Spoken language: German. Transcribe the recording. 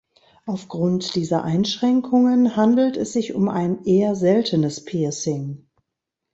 Aufgrund dieser Einschränkungen handelt es sich um ein eher seltenes Piercing.